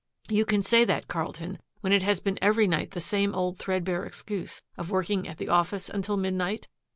"You can say that, Carlton, when it has been every night the same old threadbare excuse of working at the office until midnight?"